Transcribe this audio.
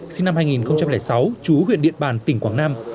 sinh năm hai nghìn sáu chú huyện điện bàn tỉnh quảng nam